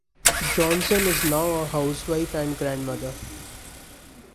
Johnson is now a housewife and grandmother.